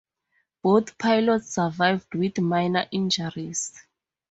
Both pilots survived with minor injuries.